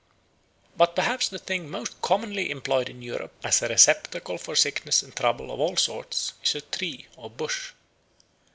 But perhaps the thing most commonly employed in Europe as a receptacle for sickness and trouble of all sorts is a tree or bush.